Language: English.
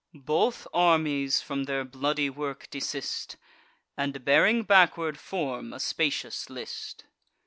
Both armies from their bloody work desist, And, bearing backward, form a spacious list.